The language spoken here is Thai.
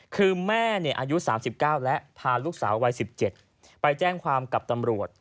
คือแม่อายุ๓๙และพาลูกสาววัย๑๗ไปแจ้งความกับตำรวจ